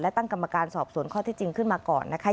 และตั้งกรรมการสอบสวนข้อที่จริงขึ้นมาก่อนนะคะ